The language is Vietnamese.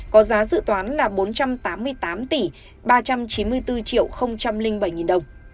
có giá dự toán là bốn trăm tám mươi tám ba trăm chín mươi bốn bảy đồng